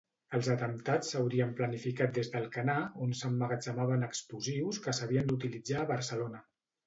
Els atemptats s'haurien planificat des d'Alcanar, on s'emmagatzemaven explosius que s'havien d'utilitzar a Barcelona.